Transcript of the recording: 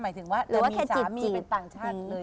หมายถึงว่าเลยว่าสามีเป็นต่างชาติเลย